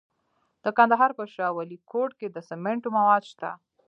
د کندهار په شاه ولیکوټ کې د سمنټو مواد شته.